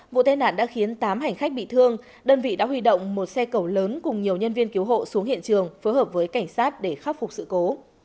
vụ tai nạn đã khiến tám hành khách bị thương đơn vị đã huy động một xe cầu lớn cùng nhiều nhân viên cứu hộ xuống hiện trường phối hợp với cảnh sát để khắc phục sự cố